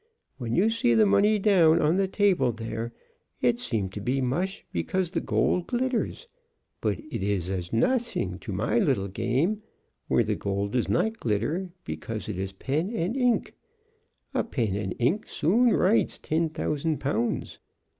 When you see the money down, on the table there, it seems to be mush because the gold glitters, but it is as noting to my little game, where the gold does not glitter, because it is pen and ink. A pen and ink soon writes ten thousand pounds.